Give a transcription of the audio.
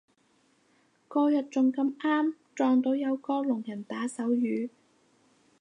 嗰日仲咁啱撞到有個聾人打手語